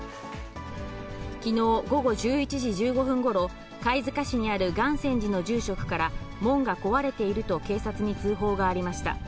きのう午後１１時１５分ごろ、貝塚市にある願泉寺の住職から、門が壊れていると、警察に通報がありました。